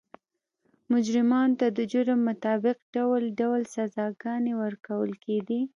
مجرمانو ته د جرم مطابق ډول ډول سزاګانې ورکول کېدې.